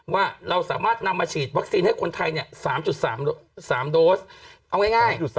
ว่าเราสามารถนำมาฉีดวัคซีนให้คนไทย๓๓โดสเอาง่าย